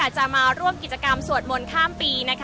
อาจจะออกมาใช้สิทธิ์กันแล้วก็จะอยู่ยาวถึงในข้ามคืนนี้เลยนะคะ